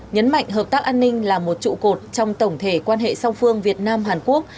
nhấn mạnh hợp tác an ninh là một trụ cột trong tổng thể quan hệ song phương việt nam hàn quốc